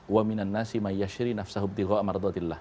wa minan nasi'i mayyashri nafsahu btighu amarduatillah